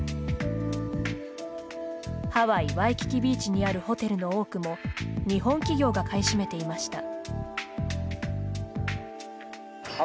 ハワイ、ワイキキビーチにあるホテルの多くも日本企業が買い占めていました。